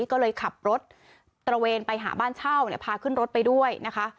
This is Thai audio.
ก็เลยขับรถตระเวนไปหาบ้านเช่าพาขึ้นรถไปด้วยนะคะ